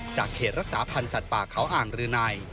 เขตรักษาพันธ์สัตว์ป่าเขาอ่างรืนัย